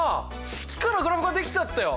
式からグラフが出来ちゃったよ。